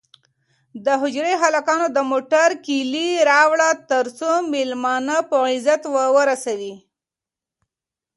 د حجرې هلکانو د موټر کیلي راوړه ترڅو مېلمانه په عزت ورسوي.